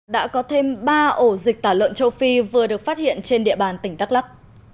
đã có thêm ba ổ dịch tả lợn châu phi vừa được phát hiện trên địa bàn tỉnh đắk lắc